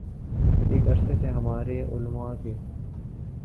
ایک عرصے سے ہمارے علما کے